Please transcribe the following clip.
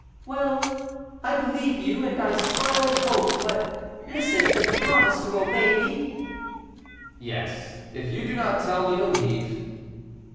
"Well, I believe you, and I smile and hope; but listen, and promise to obey me." "Yes, if you do not tell me to leave."